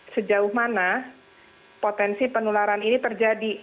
sejauh mana potensi penularan ini terjadi